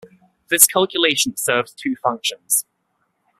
This calculation serves two functions.